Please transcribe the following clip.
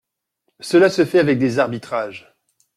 Cela se fait avec des arbitrages.